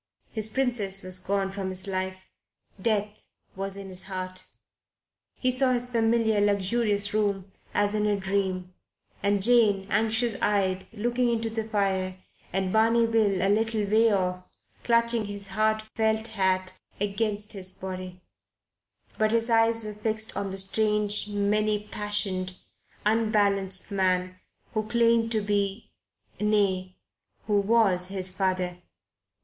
His Princess was gone from his life. Death was in his heart. He saw his familiar, luxurious room as in a dream, and Jane, anxious eyed, looking into the fire, and Barney Bill a little way off, clutching his hard felt hat against his body; but his eyes were fixed on the strange, many passioned, unbalanced man who claimed to be nay, who was his father.